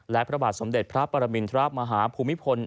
และพระบาทสมเด็จพระปรมินทรมาฮาภูมิพล